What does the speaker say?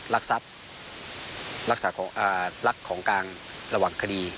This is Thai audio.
รักษัพรักษาของกลางระหว่างคดี